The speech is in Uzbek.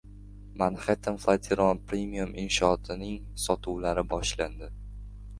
Manhattan Flatiron premium inshootining sotuvlari boshlandi